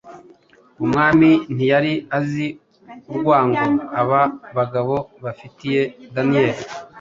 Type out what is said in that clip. Umwami ntiyari azi urwango aba bagabo bafitiye Daniyeli,